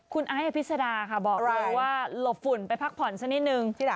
คุณไอ้อภิษดาค่ะบอกเราว่าหลบฝุ่นไปพักผ่อนสักนิดนึง